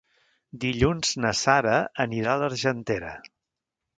Dilluns na Sara anirà a l'Argentera.